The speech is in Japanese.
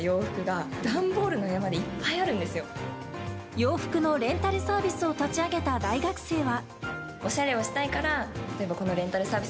洋服のレンタルサービスを立ち上げた大学生は。